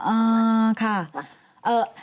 อ่าค่ะ